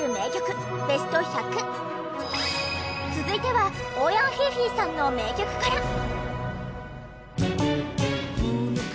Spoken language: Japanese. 続いては欧陽菲菲さんの名曲から。